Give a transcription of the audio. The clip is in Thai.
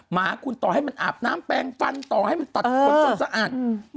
หมาคุณต่อให้มันอาบน้ำแปลงฟันต่อให้มันตัดคนจนสะอาด